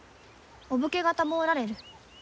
お武家方もおられる。